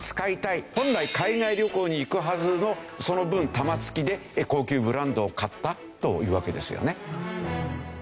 本来海外旅行に行くはずのその分玉突きで高級ブランドを買ったというわけですよね。